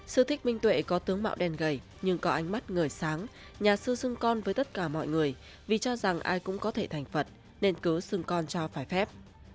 sư thích minh tuệ có tướng mạo đèn gầy nhưng có ánh mắt người sáng nhà sưng con với tất cả mọi người vì cho rằng ai cũng có thể thành phật nên cứ sưng con cho phải phép